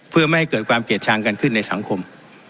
เพื่อไม่ให้เกิดความเกลียดชังกันขึ้นในสังคม